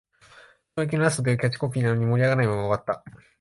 衝撃のラストというキャッチコピーなのに、盛り上がらないまま終わった